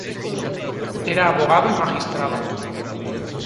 Era abogado y magistrado.